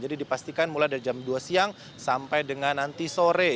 jadi dipastikan mulai dari jam dua siang sampai dengan nanti sore